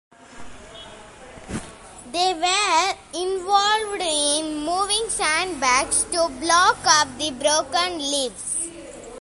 They were involved in moving sand bags to block up the broken levees.